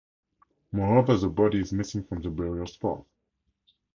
Moreover, the body is missing from the burial spot.